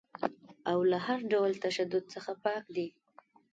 دا له هر ډول تشدد څخه پاک دی.